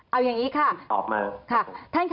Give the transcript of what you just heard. แล้วผมไปตรวจตรวจกันกับตรวจ